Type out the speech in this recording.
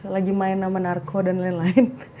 lagi main nama narko dan lain lain